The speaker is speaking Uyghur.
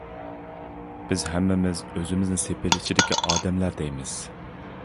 بىز ھەممىمىز ئۆزىمىزنى سېپىل ئىچىدىكى ئادەملەر دەيمىز.